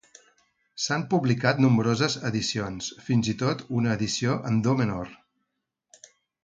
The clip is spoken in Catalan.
S'han publicat nombroses edicions, fins i tot una edició en do menor.